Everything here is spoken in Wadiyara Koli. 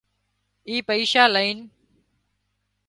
اي پئيشا لئينَ